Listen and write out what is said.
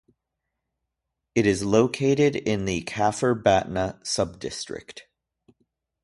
It is located in the Kafr Batna subdistrict.